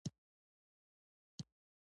په افغانستان کې د کندهار ولایت شتون لري.